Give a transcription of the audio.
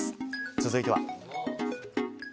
続いては。